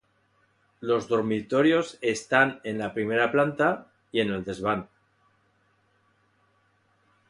Los dormitorios están en la primera planta y en el desván.